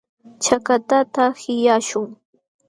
Chakatata qillqaśhun.